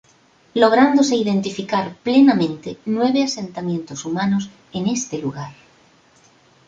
Lográndose identificar plenamente nueve asentamientos humanos en este lugar.